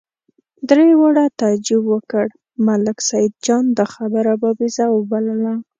درې واړو تعجب وکړ، ملک سیدجان دا خبره بابېزه وبلله.